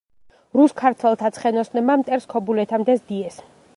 რუს-ქართველთა ცხენოსნებმა მტერს ქობულეთამდე სდიეს.